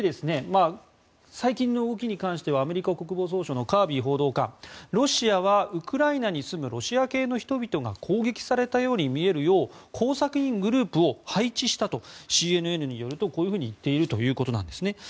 最近の動きに関してはアメリカ国防総省のカービー報道官ロシアはウクライナに住むロシア系の人々が攻撃されたように見えるよう工作員グループを配置したとＣＮＮによると言っているということです。